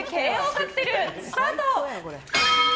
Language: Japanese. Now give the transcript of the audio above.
カクテルスタート！